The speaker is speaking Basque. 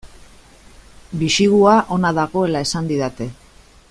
Bisigua ona dagoela esan didate.